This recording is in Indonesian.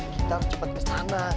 kita harus cepat ke sana